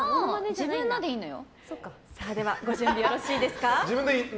自分のでいいんだよ。